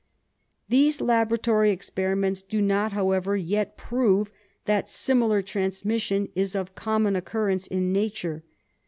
These laboratory experiments do not, however, yet prove that similar transmission is of common occurrence in nature.